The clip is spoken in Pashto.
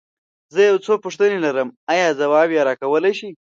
زه يو څو پوښتنې لرم، ايا ځواب يې راکولی شې؟